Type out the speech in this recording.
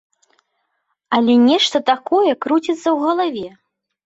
Але нешта такое круціцца ў галаве.